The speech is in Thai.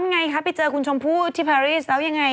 ไงคะไปเจอคุณชมพู่ที่พารีสแล้วยังไง